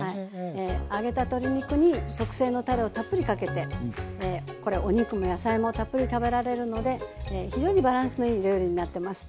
揚げた鶏肉に特製のたれをたっぷりかけてこれお肉も野菜もたっぷり食べられるので非常にバランスのいいお料理になってます。